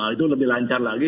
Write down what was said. itu lebih lancar lagi